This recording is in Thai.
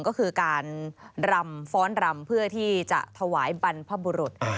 ก็คือการรำฟ้อนรำเพื่อที่จะถวายบรรพบุรุษ